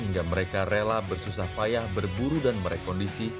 hingga mereka rela bersusah payah berburu dan merekondisi